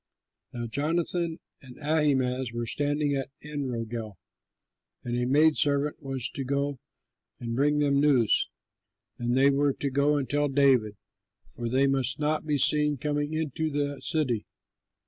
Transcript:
'" Now Jonathan and Ahimaaz were staying at Enrogel; and a maid servant was to go and bring them news, and they were to go and tell David, for they must not be seen coming into the city.